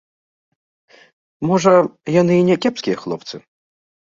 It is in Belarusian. Можа, яны і някепскія хлопцы.